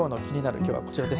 きょうは、こちらです。